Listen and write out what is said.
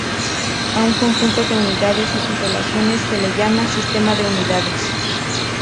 A un conjunto de unidades y sus relaciones se le llama sistema de unidades.